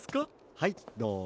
はいどうぞ。